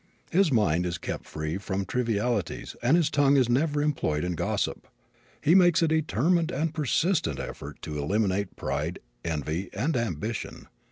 His mind is kept free from trivialities and his tongue is never employed in gossip. He makes a determined and persistent effort to eliminate pride, envy and ambition.